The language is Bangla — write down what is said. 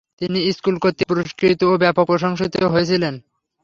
তিনি স্কুল কর্তৃক পুরস্কৃত ও ব্যাপক প্রশংসিত হয়েছিলেন।